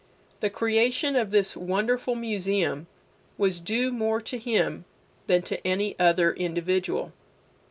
The creation of this wonderful museum was due more to him than to any other individual.